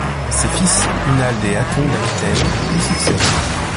Ses fils Hunald et Hatton d'Aquitaine lui succèdent.